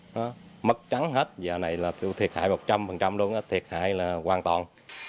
nó mất trắng hết giờ này là thiệt hại một trăm linh luôn thiệt hại là hoàn toàn